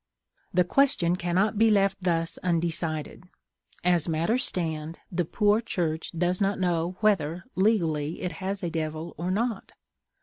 The question cannot be left thus undecided. As matters stand, the poor Church does not know whether, legally, it has a Devil or not.